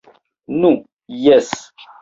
Nu, jes.